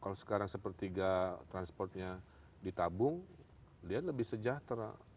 kalau sekarang sepertiga transportnya ditabung dia lebih sejahtera